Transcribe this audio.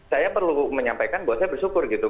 saya perlu menyampaikan bahwa saya bersyukur gitu